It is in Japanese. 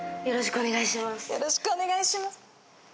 よろしくお願いします。